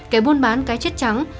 cái buôn bán cái chất trắng